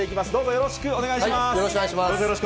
よろしくお願いします。